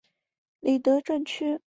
里德镇区。